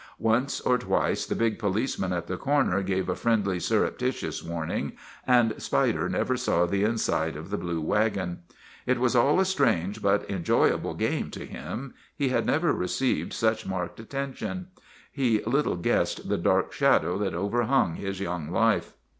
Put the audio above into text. Once or twice the big policeman at the corner gave a friendly, surreptitious warning, and Spider never saw the inside of the blue wagon. It was all a strange but enjoyable game to him ; he had never re ceived such marked attention. He little guessed the dark shadow that overhung his young life.